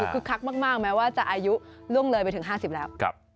คือคักมากแม้ว่าจะอายุล่วงเลยไปถึง๕๐แล้ว